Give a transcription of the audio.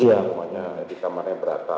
di kamarnya yang berata